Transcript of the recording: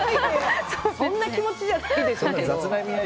そんな気持ちじゃないでしょ。